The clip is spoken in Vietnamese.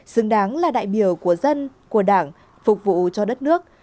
xứng đáng là đại biểu của dân của đảng phục vụ cho đất nước